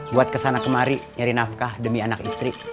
buat kesana kemari nyari nafkah demi anak istri